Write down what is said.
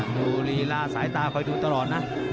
ลีลาสายตาคอยดูตลอดนะ